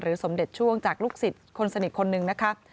สมเด็จช่วงจากลูกศิษย์คนสนิทคนหนึ่งนะคะ